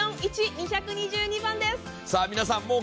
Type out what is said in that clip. さあ皆さん